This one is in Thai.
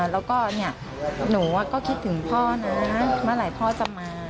แล้วก็หนูก็คิดถึงพ่อนะเมื่อไหร่พ่อจะมา